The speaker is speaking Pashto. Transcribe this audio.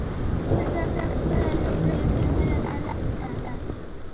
قیصر خپله لومړۍ مېرمن طلاق کړه.